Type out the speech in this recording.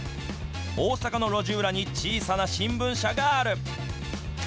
大阪の路地裏に小さな新聞社がある。